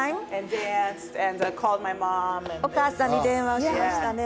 お母さんに電話しましたね。